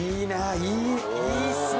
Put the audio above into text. いいっすね。